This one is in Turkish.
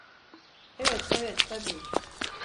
Evet, evet, tabii.